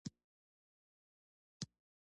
د اصحابو د ایماندارۍ له برکته وې.